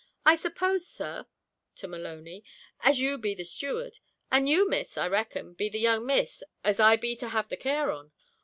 I suppose, Sir,' (to Maloney) 'as you be the steward; and you Miss, I reckon, be the young Miss as I be to have the care on.